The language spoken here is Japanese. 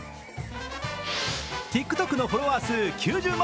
ＴｉｋＴｏｋのフォロワー数９０万